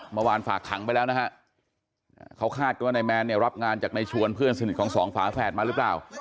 ฝากขังไปแล้วนะฮะเขาคาดกันว่านายแมนเนี่ยรับงานจากในชวนเพื่อนสนิทของสองฝาแฝดมาหรือเปล่า